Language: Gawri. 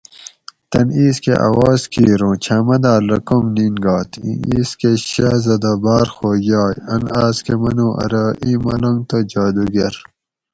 "تن اِیس کہ اواز کِیر اُوں چھاۤں مداۤل رہ کم نِین گات؟ اِیں اِیس کہ شازدہ باۤر خوش یائ ان آۤس کہ منُو ارو "" اِیں ملنگ تہ جادُوگر"